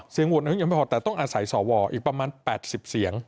โหวตนายกยังไม่พอแต่ต้องอาศัยสวอีกประมาณ๘๐เสียง